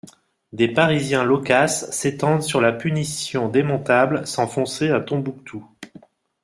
Des parisiens loquaces s'étendent sur la punition démontable sans foncer à Tombouctou.